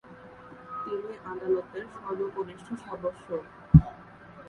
তিনি আদালতের সর্বকনিষ্ঠ সদস্যও।